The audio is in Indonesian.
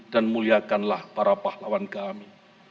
dan muliakanlah para pahlawan kami